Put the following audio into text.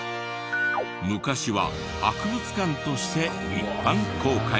昔は博物館として一般公開も。